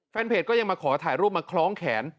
แฟนเพจก็ยังมาขอถ่ายรูปมาคล้องแขน